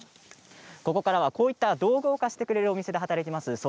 ここからはこういった道具を貸し出してくれる店で働いています。